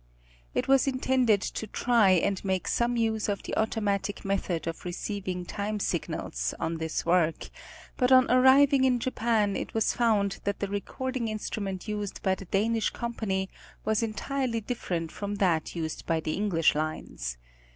It was intended to try and make some use of the automatic method of receiving time signals, on this work, but on arriving in Japan it was found that the recording instrument used by the Danish company was entirely different from that used by the English lines.